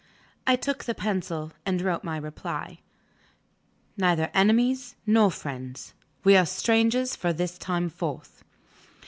I took the pencil, and wrote my reply: "Neither enemies nor friends. We are strangers from this time forth."